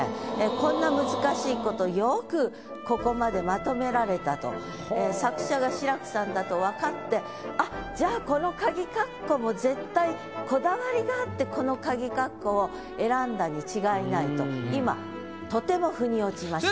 こんな難しい事よくここまでまとめられたと作者が志らくさんだと分かってあっじゃあこのかぎ括弧も絶対こだわりがあってこのかぎ括弧を選んだに違いないと今とても腑に落ちました。